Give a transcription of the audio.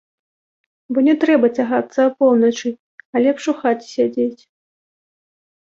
Бо не трэба цягацца апоўначы, а лепш у хаце сядзець!